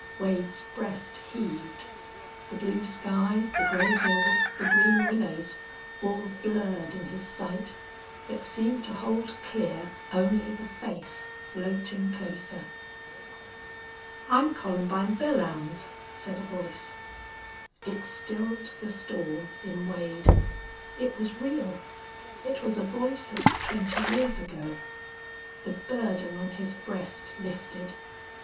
Wade's breast heaved. The blue sky, the gray hills, the green willows, all blurred in his sight, that seemed to hold clear only the face floating closer. "I'm Columbine Belllounds," said a voice. It stilled the storm in Wade. It was real. It was a voice of twenty years ago. The burden on his breast lifted.